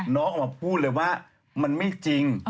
น้องออกมาพูดเลยว่ามันไม่จริง